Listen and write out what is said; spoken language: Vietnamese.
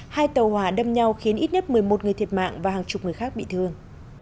hai tàu hỏa đâm nhau khiến ít nhất một mươi một người thiệt mạng và hàng chục người khác bị thương